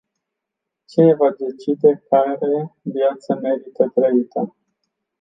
Cine va decide care viață merită trăită?